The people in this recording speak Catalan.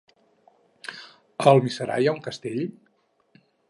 A Almiserà hi ha un castell?